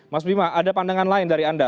mas bima ada pandangan lain dari anda